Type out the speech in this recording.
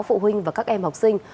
phụ huynh và các em học sinh